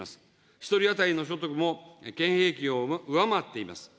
１人当たりの所得も県平均を上回っています。